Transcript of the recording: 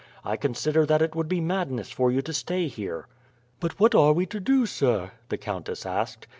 I consider that it would be madness for you to stay here." "But what are we to do, sir?" the countess asked.